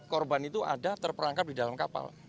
korban itu ada terperangkap di dalam kapal